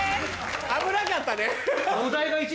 危なかったね。